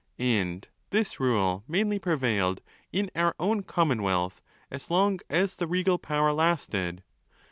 (And this rule mainly prevailed in our own commonwealth, as long as the regal power lasted.)